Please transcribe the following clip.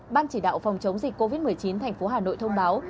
ban chỉ đạo phòng chống dịch covid một mươi chín tp hà nội thông báo